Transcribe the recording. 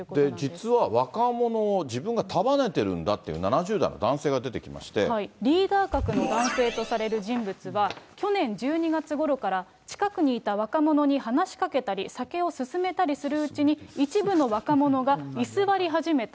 実は若者を自分が束ねてるんだという７０代の男性が出てきまリーダー格の男性とされる人物は、去年１２月ごろから近くにいた若者に話しかけたり、酒を勧めたりするうちに、一部の若者が居座り始めた。